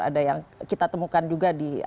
ada yang kita temukan juga di